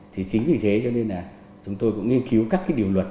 thì chính vì thế cho nên là chúng tôi cũng nghiên cứu các cái điều luật